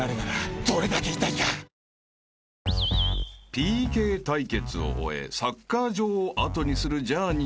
［ＰＫ対決を終えサッカー場を後にするジャーニーたち］